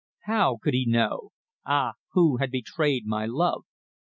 What could he know? Ah! who had betrayed my love?